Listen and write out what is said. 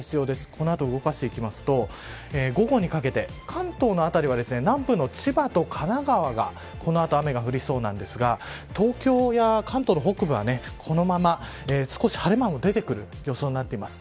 この後、動かしていくと午後にかけて関東の辺りは南部の千葉と神奈川が、この後雨が降りそうなんですが東京や関東の北部はこのまま少し晴れ間も出てくる予想になっています。